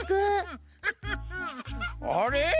あれ？